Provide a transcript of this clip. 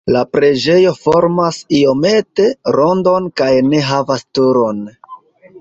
La preĝejo formas iomete rondon kaj ne havas turon.